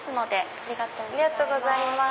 ありがとうございます。